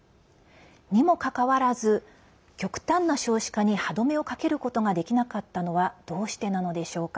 にもかかわらず、極端な少子化に歯止めをかけることができなかったのはどうしてなのでしょうか。